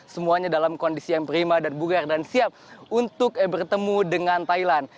semuanya dalam kondisi yang prima dan bugar dan siap untuk bertemu dengan thailand